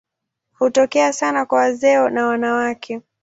Hutokea sana kwa wazee na wanawake.